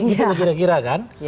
gitu kira kira kan